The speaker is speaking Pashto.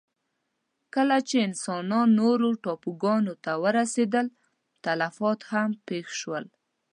کله چې انسانان نورو ټاپوګانو ته ورسېدل، تلفات هم پېښ شول.